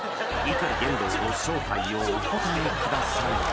碇ゲンドウの正体をお答えください